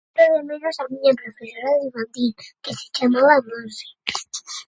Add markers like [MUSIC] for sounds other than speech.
[HESITATION] De menos a miña profesora de infantil que se chamaba Montse.